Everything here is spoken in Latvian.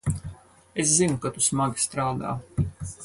Es zinu, ka tu smagi strādā.